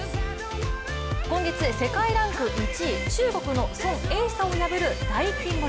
今月、世界ランク１位、中国のソン・エイサを破る大金星。